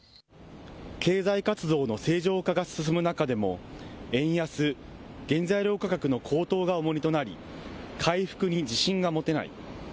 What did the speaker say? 経済活動の正常化が進む中でも、円安、原材料価格の高騰が重荷となり、回復に自信が持てない。